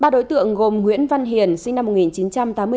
ba đối tượng gồm nguyễn văn hiền sinh năm một nghìn chín trăm tám mươi bốn